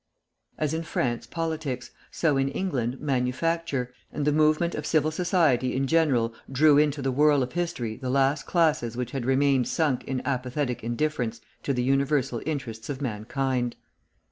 As in France politics, so in England manufacture, and the movement of civil society in general drew into the whirl of history the last classes which had remained sunk in apathetic indifference to the universal interests of mankind.